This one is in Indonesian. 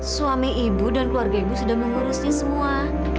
suami ibu dan keluarga ibu sudah mengurusnya semua